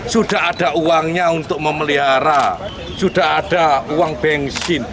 sudah ada uangnya untuk memelihara sudah ada uang bensin